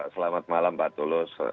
selamat malam pak tulus